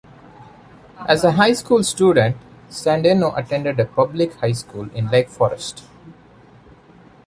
As a high school student, Sandeno attended a public high school in Lake Forest.